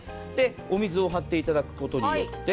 お水を張っていただくことによって。